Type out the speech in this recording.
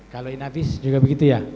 kalau inavis juga begitu ya